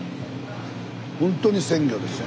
ほんとに鮮魚でしたね。